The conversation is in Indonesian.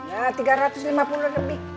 nah tiga ratus lima puluhan lebih